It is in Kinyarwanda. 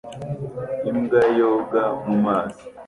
Imbwa yoga mu mazi